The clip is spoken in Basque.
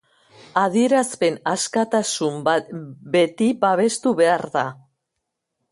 Adierazpen askatasuna beti babestu behar da.